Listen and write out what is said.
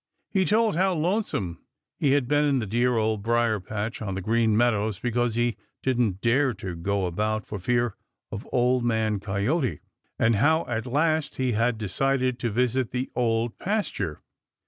He told how lonesome he had been in the dear Old Briar patch on the Green Meadows because he didn't dare to go about for fear of Old Man Coyote, and how at last he had decided to visit the Old Pasture.